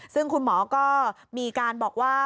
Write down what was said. ซึ่งคุณหมอก็มีการบอกว่า